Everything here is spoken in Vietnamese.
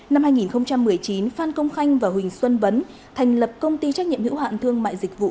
năm hai nghìn một mươi chín phan công khanh và huỳnh xuân vấn thành lập công ty trách nhiệm hữu hạn thương mại dịch vụ